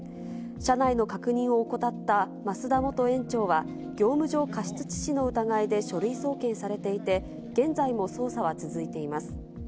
車内の確認を怠った増田元園長は、業務上過失致死の疑いで書類送検されていて、現在も捜査は続いています。